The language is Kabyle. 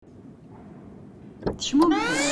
Tecmumeḥ-d.